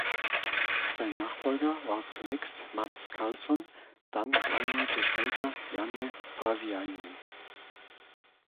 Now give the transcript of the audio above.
Sein Nachfolger war zunächst Mats Karlsson, dann drei Monate später Janne Parviainen.